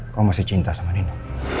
kau masih cinta sama nina